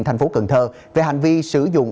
thành phố cần thơ về hành vi sử dụng